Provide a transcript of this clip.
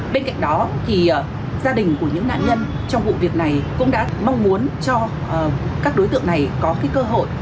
bên cạnh đó gia đình của những nạn nhân trong vụ việc này cũng đã mong muốn cho các đối tượng này có cơ hội